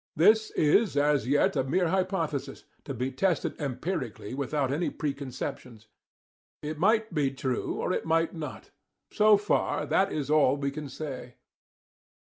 This is, as yet, a mere hypothesis, to be tested empirically without any preconceptions. It may be true, or it may not. So far, that is all we can say.